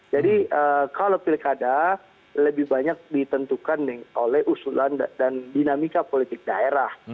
jadi kalau pilkada lebih banyak ditentukan oleh usulan dan dinamika politik daerah